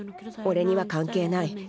「俺には関係ない。